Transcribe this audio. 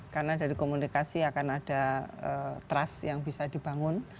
karena dari komunikasi akan ada trust yang bisa dibangun